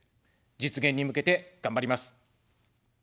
実現に向けて頑張ります。